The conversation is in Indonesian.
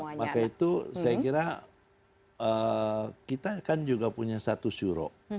maka itu saya kira kita kan juga punya satu syuro